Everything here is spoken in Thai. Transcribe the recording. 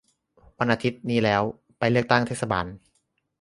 วันอาทิตย์นี้แล้ว ! ไปเลือกตั้งเทศบาล